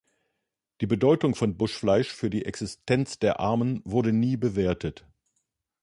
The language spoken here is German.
Die Bedeutung von Buschfleisch für die Existenz der Armen wurde nie bewertet.